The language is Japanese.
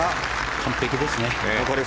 完璧ですね。